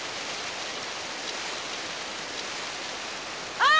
ああ。